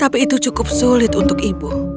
tapi itu cukup sulit untuk ibu